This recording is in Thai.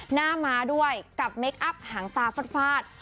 หน้าม้าด้วยกับเมคอัพหางตาฟาด